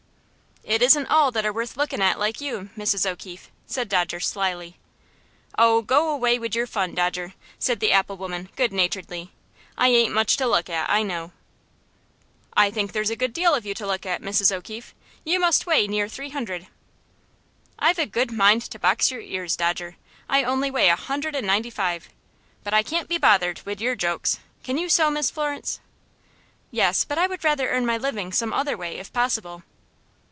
"It isn't all that are worth looking at like you, Mrs. O'Keefe," said Dodger, slyly. "Oh, go away wid your fun, Dodger," said the apple woman, good naturedly. "I ain't much to look at, I know." "I think there's a good deal of you to look at, Mrs. O'Keefe. You must weigh near three hundred." "I've a good mind to box your ears, Dodger. I only weigh a hundred and ninety five. But I can't be bothered wid your jokes. Can you sew, Miss Florence?" "Yes; but I would rather earn my living some other way, if possible."